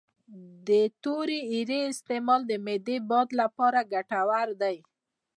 د تورې اریړې استعمال د معدې د باد لپاره ګټور دی